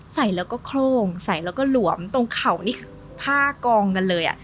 ใส่แล้วก็โครงใส่แล้วก็หลวมตรงเข่านี่คือผ้ากองกันเลย